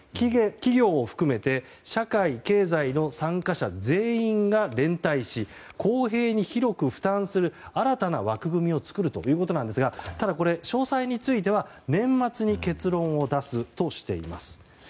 企業を含めて社会・経済の参加者全員が連帯し公平に広く負担する新たな枠組みを作るということなんですがただこれ、詳細については年末に結論を出すとしています。